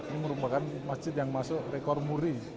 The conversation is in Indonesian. ini merupakan masjid yang masuk rekor muri